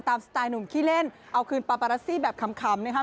สไตล์หนุ่มขี้เล่นเอาคืนปาปารัสซี่แบบขำนะครับ